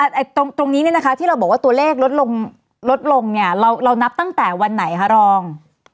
ตรงนี้เนี่ยนะคะที่เราบอกว่าตัวเลขลดลงลดลงเนี่ยเรานับตั้งแต่วันไหนคะรอง